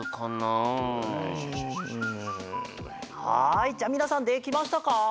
はいじゃあみなさんできましたか？